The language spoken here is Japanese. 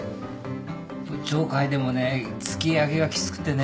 部長会でもね突き上げがきつくてね。